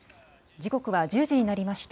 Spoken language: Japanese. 時刻は１０時になりました。